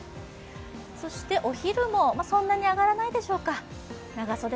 そしてお昼もそんなに上がらないでしょうか。